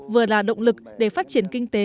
vừa là động lực để phát triển kinh tế